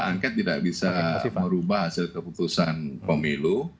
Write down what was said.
angket tidak bisa merubah hasil keputusan pemilu